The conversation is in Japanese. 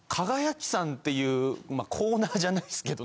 っていうコーナーじゃないんすけど。